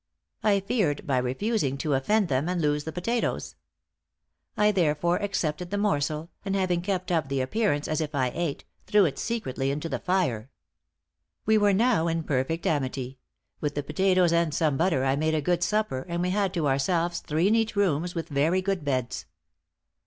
I feared by refusing, to offend them, and lose the potatoes. I therefore accepted the morsel, and having kept up the appearance as if I ate, threw it secretly into the fire. We were now in perfect amity; with the potatoes and some butter I made a good supper, and we had to ourselves three neat rooms, with very good beds."